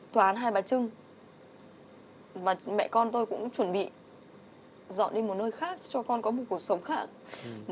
tôi mới phát hiện là cái chuyện của con đâu như thế này